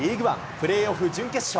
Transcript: プレーオフ準決勝。